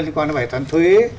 liên quan đến bài toán thuế